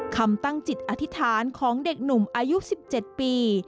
คำตั้งจิตอธิษฐานของเด็กหนุ่มอายุ๑๗ปี